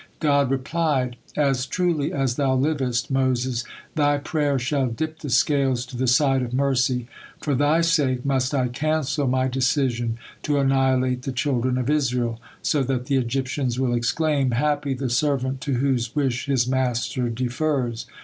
God replied: "As truly as thou livest, Moses, thy prayer shall dip the scales to the side of mercy. For thy sake must I cancel My decision to annihilate the children of Israel, so that the Egyptians will exclaim, 'Happy the servant to whose wish his master defers.'